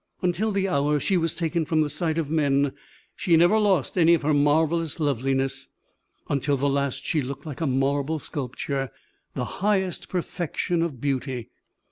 Until the hour she was taken from the sight of men she never lost any of her marvelous loveliness; until the last she looked like a marble sculpture, the highest perfection of beauty.